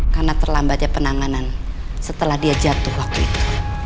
karena terlambatnya penanganan setelah dia jatuh waktu itu